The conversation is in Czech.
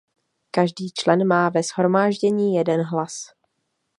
Každý člen má ve shromáždění jeden hlas.